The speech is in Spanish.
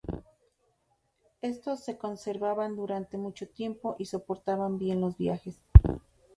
Estos se conservaban durante mucho tiempo y soportaban bien los viajes.